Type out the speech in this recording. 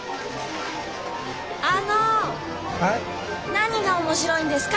何が面白いんですか？